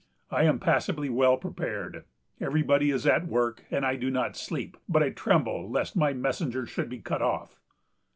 I am passably well prepared. Everybody is at work, and I do not sleep; but I tremble lest my messenger should be cut off."